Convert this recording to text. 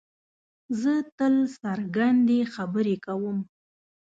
زه تل څرګندې خبرې کوم.